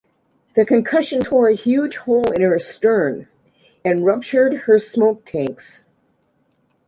The concussion tore a huge hole in her stern and ruptured her smoke tanks.